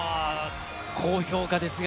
高評価ですが。